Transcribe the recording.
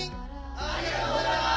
ありがとうございます！